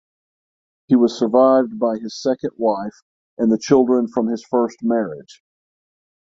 He was survived by his second wife and the children from his first marriage.